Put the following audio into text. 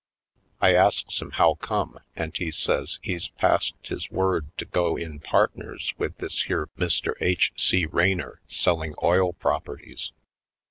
I asks him how come, and he says he's passed his word to go in partners with this here Mr. H. C. Raynor selling oil properties.